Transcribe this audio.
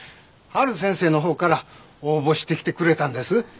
陽先生のほうから応募してきてくれたんです。